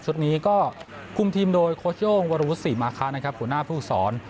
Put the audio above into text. ชุดนี้ก็คุมทีมโดยโค้ชโช่งวรุษศรีมาคะผู้หน้าผู้สอน